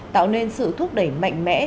tạo nên sự thúc đẩy mạnh mẽ